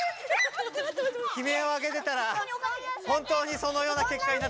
悲めいをあげてたら本当にそのような結果になってしまった。